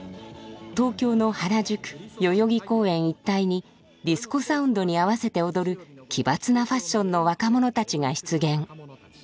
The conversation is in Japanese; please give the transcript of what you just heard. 東京の原宿代々木公園一帯にディスコサウンドに合わせて踊る奇抜なファッションの若者たちが出現。